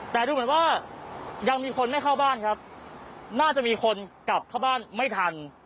แต่ดูเหมือนว่ายังมีคนไม่เข้าบ้านครับน่าจะมีคนกลับเข้าบ้านไม่ทัน